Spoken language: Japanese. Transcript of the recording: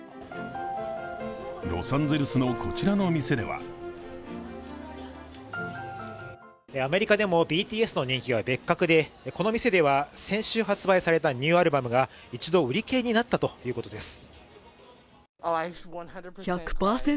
ロサンゼルスのこちらの店ではアメリカでもＢＴＳの人気は別格でこの店では、先週発売されたニューアルバムが一度売り切れになったということです。